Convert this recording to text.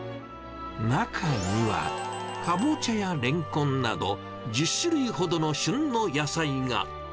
中には、カボチャやレンコンなど１０種類ほどの旬の野菜が。